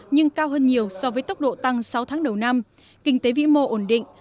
nhưng cao hơn nhiều so với tốc độ tăng sáu tháng đầu năm kinh tế vĩ mô ổn định